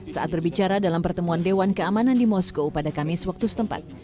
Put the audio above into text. saat berbicara dalam pertemuan dewan keamanan di moskow pada kamis waktu setempat